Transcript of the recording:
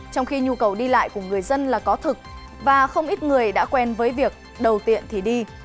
trong khi nhu cầu đi lại của người dân là có thực và không ít người đã quen với việc đầu tiện thì đi